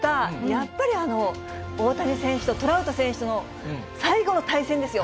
やっぱり大谷選手とトラウト選手の最後の対戦ですよ。